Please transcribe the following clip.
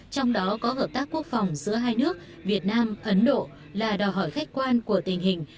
trong đó có hợp tác quốc phòng giữa hai nước việt nam ấn độ là đòi hỏi khách quan của tình hình